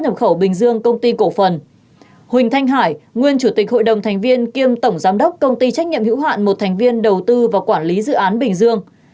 một thành viên đầu tư và quản lý dự án bình dương